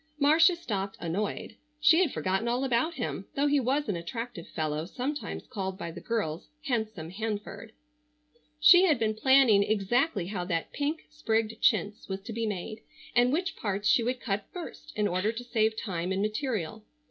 Marcia stopped annoyed. She had forgotten all about him, though he was an attractive fellow, sometimes called by the girls "handsome Hanford." She had been planning exactly how that pink sprigged chintz was to be made, and which parts she would cut first in order to save time and material.